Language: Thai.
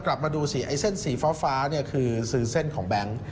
กลับมาดูสิไอ้เส้นสีฟ้าเนี่ยคือซื้อเส้นของแบงค์